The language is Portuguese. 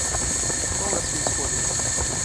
Qual é a sua escolha?